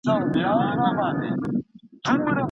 په روژه کي غوسه نه کېږي.